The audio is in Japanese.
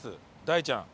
大ちゃん。